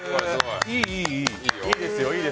いいですよ。